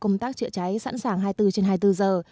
công tác chữa cháy sẵn sàng hai mươi bốn trên hai mươi bốn giờ